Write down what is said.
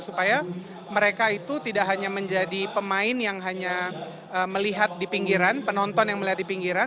supaya mereka itu tidak hanya menjadi pemain yang hanya melihat di pinggiran penonton yang melihat di pinggiran